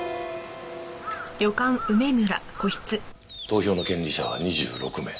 投票の権利者は２６名。